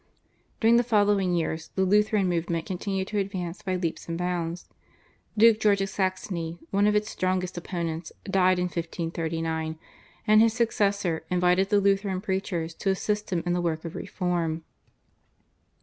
During the following years the Lutheran movement continued to advance by leaps and bounds. Duke George of Saxony, one of its strongest opponents, died in 1539, and his successor invited the Lutheran preachers to assist him in the work of reform.